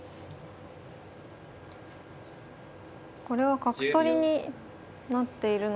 これは角取りになっているので。